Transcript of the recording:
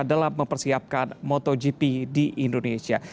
dalam mempersiapkan motogp di indonesia